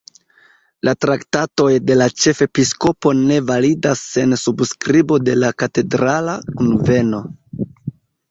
La traktatoj de la ĉefepiskopo ne validas sen subskribo de la katedrala kunveno.